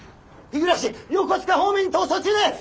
日暮横須賀方面に逃走中です！